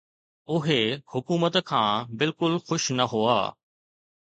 اهي حڪومت کان بلڪل خوش نه هئا.